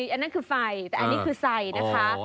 อันนั้นคือไฟแต่อันนี้คือใส่นะคะ